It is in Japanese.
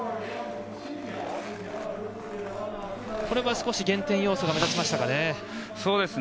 これは少し減点要素が目立ちましたかね。